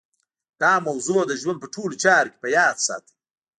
دا موضوع د ژوند په ټولو چارو کې په یاد ساتئ